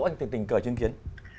anh tự tình cờ chứng kiến